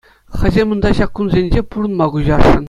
Хӑйсем унта ҫак кунсенче пурӑнма куҫасшӑн.